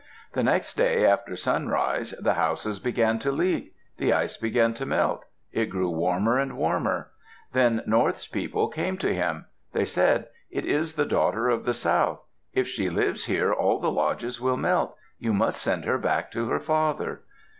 The next day, after sunrise, the houses began to leak. The ice began to melt. It grew warmer and warmer. Then North's people came to him. They said, "It is the daughter of the South. If she lives here all the lodges will melt. You must send her back to her father."